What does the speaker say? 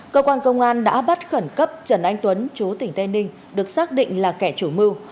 cơ quan công an đã bắt khẩn cấp trần anh tuấn chú tỉnh tây ninh được xác định là kẻ chủ mưu